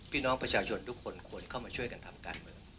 พี่น้องประชาชนทุกคนควรเข้ามาช่วยกันทำการเมือง